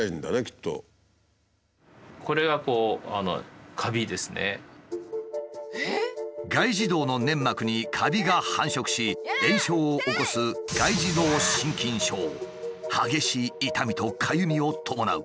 しかし外耳道の粘膜にカビが繁殖し炎症を起こす激しい痛みとかゆみを伴う。